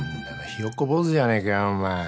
ひよっこ坊主じゃねえかよお前。